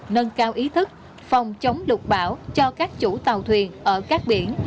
nâng cao ý thức phòng chống lục bão cho các chủ tàu thuyền ở các biển